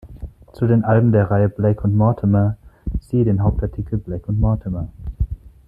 Zu den Alben der Reihe „Blake und Mortimer“ siehe den Hauptartikel Blake und Mortimer.